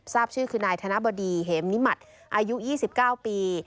ทราบชื่อคือนายธนบดีเหมนิมัติอายุ๒๙ปี